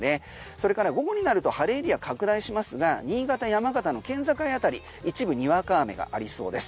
それから午後になると晴れエリア拡大しますが新潟、山形の県境あたり一部にわか雨がありそうです。